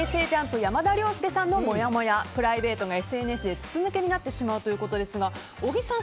山田涼介さんのもやもやプライベートがＳＮＳで筒抜けになってしまうということですが小木さん